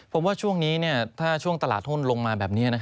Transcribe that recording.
ผมว่าช่วงนี้ถ้าช่วงตลาดหุ้นลงมาแบบนี้